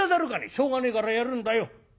「しょうがねえからやるんだよ」。